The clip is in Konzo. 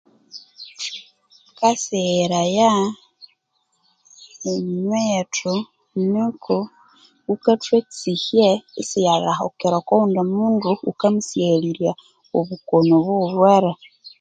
Tukasegheraya eminywe yethu nuko wukatwa etsihya isiyalhahukire okwa wundi mundu wukamusighalirya obukono obwawulhwere